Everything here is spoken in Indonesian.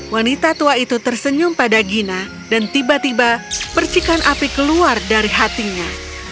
wanita tua itu tersenyum pada gina dan tiba tiba percikan api keluar dari hatinya